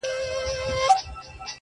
حاکم وویل ته کډه سه کاشان ته؛